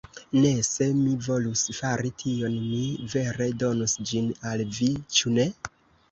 Ne! Se mi volus fari tion, mi vere donus ĝin al vi, ĉu ne?